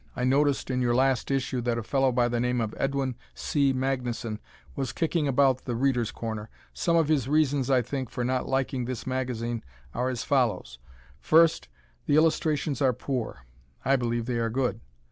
I noticed in your last issue that a fellow by the name of Edwin C. Magnuson was kicking about "The Readers' Corner." Some of his reasons, I think, for not liking this magazine are as follows: first, the illustrations are poor. I believe they are good.